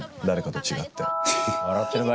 誰かと違って。